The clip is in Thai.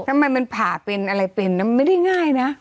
ทำไมมันผ่าเป็นอะไรเป็นมันไม่ได้ง่ายนะ